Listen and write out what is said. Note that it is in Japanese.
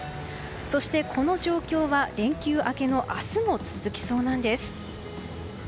そして、この状況は連休明けの明日も続きそうなんです。